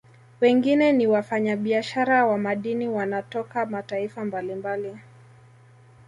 Wengine ni wafanya biashara wa madini wanatoka mataifa mbalimbali